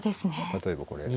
例えばこれ。